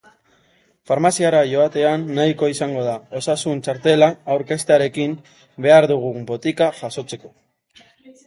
Farmaziara joatean nahikoa izango da osasun txartela aurkeztearekin behar dugun botika jasotzeko.